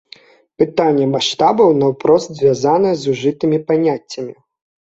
Пытанне маштабаў наўпрост звязанае з ужытымі паняццямі.